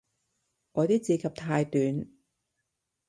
我啲指甲太短